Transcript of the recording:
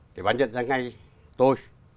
thì bà nhận ra ngay tôi